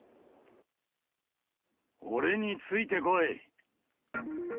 俺についてこい。